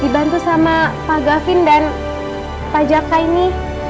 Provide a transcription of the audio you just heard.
dibantu sama pak gavin dan pak jaka ini